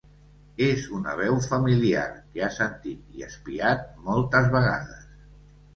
És una veu familiar, que ha sentit i espiat moltes vegades.